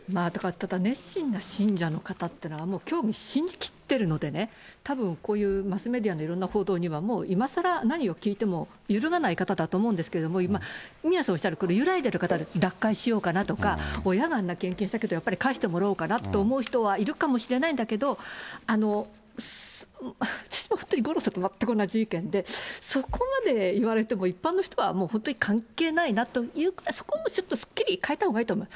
ただ、熱心な信者の方というのはもう教義信じ切っちゃってるんでね、たぶん、こういうマスメディアのいろんな報道にはもういまさら何を聞いても揺るがない方だと思うんですけれども、今、宮根さんおっしゃるように揺らいでる方が脱会しようかなとか、親があんな献金したけどやっぱり返してもらおうかなっていう人はいるかもしれないんだけど、私も本当に五郎さんと全く同じ意見で、そこまで言われても一般の人はもう本当に関係ないなというくらい、そこもちょっとすっきり変えたほうがいいと思う。